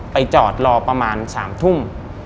จอดรอประมาณ๓ทุ่ม